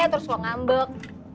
terus lo ngambek